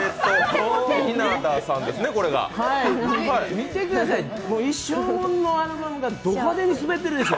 見てください、一生もんのアルバムがド派手にスベってるでしょ。